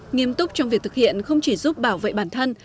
nghiêm túc trong việc thực hiện không chỉ giúp bảo vệ bản thân